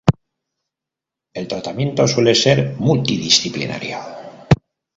El tratamiento suele ser multidisciplinario.